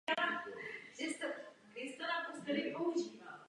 Naši občané slyšeli, jak prohlašujeme, že zachraňujeme banky.